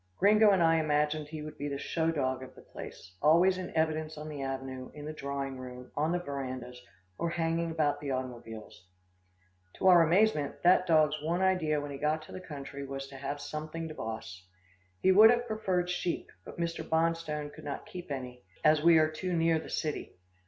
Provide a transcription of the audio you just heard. Gringo and I imagined he would be the show dog of the place always in evidence on the avenue, in the drawing room, on the verandas, or hanging about the automobiles. To our amazement, that dog's one idea when he got to the country was to have something to boss. He would have preferred sheep, but Mr. Bonstone could not keep any, as we are too near the city.